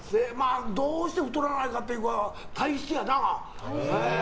どうして太らないかっていうのは体質やな。